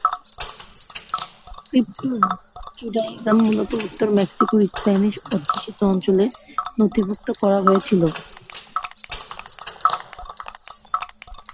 Crypto-Judaism মূলত উত্তর মেক্সিকোর স্প্যানিশ-অধ্যুষিত অঞ্চলে নথিভুক্ত করা হয়েছিল।